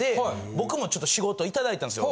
僕もちょっと仕事頂いたんですよ。